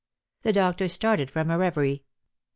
The doctor started from a reverie.